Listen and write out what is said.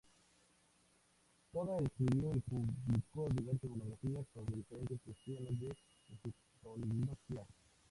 Toda escribió y publicó diversas monografías sobre diferentes cuestiones de egiptología.